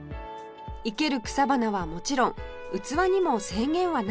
生ける草花はもちろん器にも制限はないそうです